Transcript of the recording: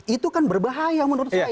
itu kan berbahaya menurut saya